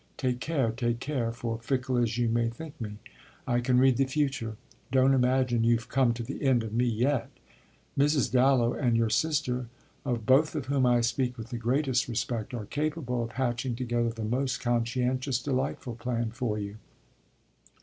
Take care, take care, for, fickle as you may think me, I can read the future: don't imagine you've come to the end of me yet. Mrs. Dallow and your sister, of both of whom I speak with the greatest respect, are capable of hatching together the most conscientious, delightful plan for you.